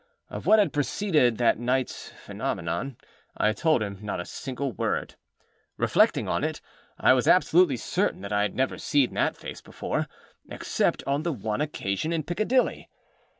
Of what had preceded that nightâs phenomenon, I told him not a single word. Reflecting on it, I was absolutely certain that I had never seen that face before, except on the one occasion in Piccadilly.